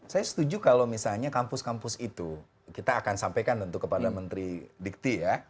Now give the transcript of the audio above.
saya setuju kalau misalnya kampus kampus itu kita akan sampaikan tentu kepada menteri dikti ya